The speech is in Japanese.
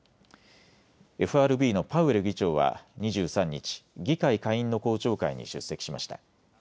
ＦＲＢのパウエル議長は２３日、議会下院の公聴会に出席しました。